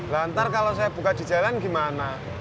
lantar kalau saya buka di jalan gimana